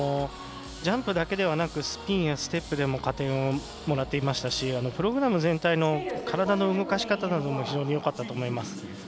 ジャンプだけではなくスピンやステップでも加点をもらっていましたしプログラム全体の体の動かし方なども非常によかったと思います。